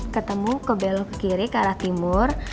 ketemu ke belok ke kiri ke arah timur